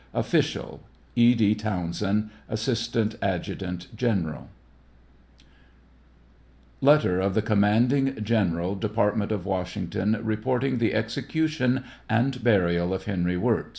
Official : E. D. TOWNSEND, Assistant Adjutant General. TEIA.L OF HENKY WIEZ. 815 LETTER OF THE COMMANDING GENERAL DEPARTMENT OF WASHINGTON, REPORTING THE EXECUTION AND BURIAL OF HENRY WIRZ.